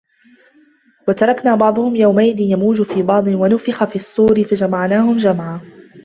وتركنا بعضهم يومئذ يموج في بعض ونفخ في الصور فجمعناهم جمعا